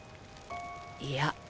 いや。